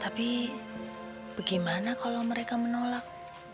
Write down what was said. tapi bagaimana kalau mereka menolak